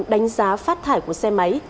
đánh giá phát thải của xe máy